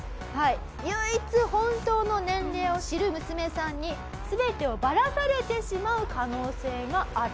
唯一本当の年齢を知る娘さんに全てをバラされてしまう可能性がある。